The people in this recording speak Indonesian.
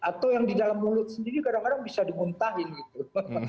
atau yang di dalam mulut sendiri kadang kadang bisa dimuntahin gitu